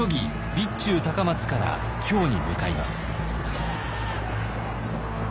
備中高松から京に向かいます。